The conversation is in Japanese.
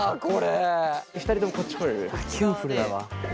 ２人ともこっち来れる？